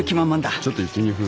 ちょっと１２分。